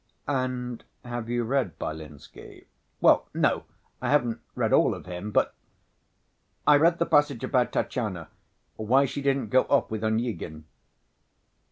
"And have you read Byelinsky?" "Well, no ... I haven't read all of him, but ... I read the passage about Tatyana, why she didn't go off with Onyegin."